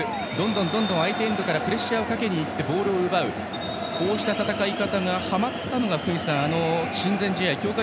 どんどん相手エンドからプレッシャーをかけてボールを奪う、こうした戦い方がはまったのが親善試合、強化